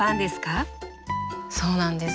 そうなんです。